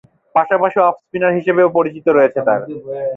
পাশাপাশি অফ-স্পিনার হিসেবেও পরিচিতি রয়েছে তার।